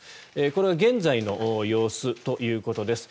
これは現在の様子ということです。